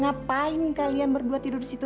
ngapain kalian berdua tidur di situ